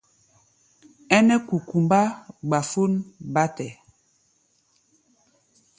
Ɛ́nɛ́ kukumbá gbafón bátɛ.